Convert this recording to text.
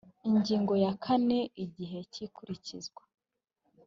ingingo ya kane igihe cy ikurikizwa